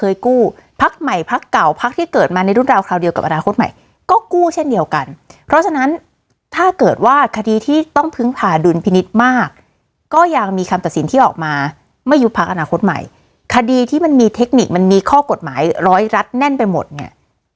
ยุบพลักษณ์อนาคตใหม่คดีที่มันมีเทคนิคมันมีข้อกฎหมายร้อยรัดแน่นไปหมดเนี่ย